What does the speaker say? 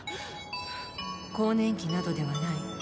更年期などではない。